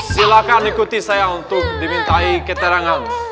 silahkan ikuti saya untuk dimintai keterangan